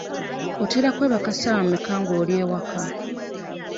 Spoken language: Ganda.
Otera kwebaka ssaawa mmeka nga oli ewaka?